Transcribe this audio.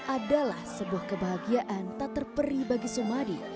adalah sebuah kebahagiaan tak terperi bagi sumadi